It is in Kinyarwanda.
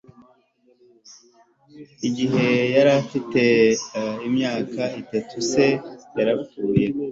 Igihe yari afite imyaka itatu se yarapfuye